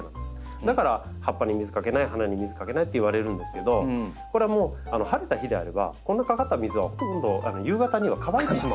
だから葉っぱに水かけない花に水かけないっていわれるんですけどこれはもう晴れた日であればこんなかかった水はほとんど夕方には乾いてしまう。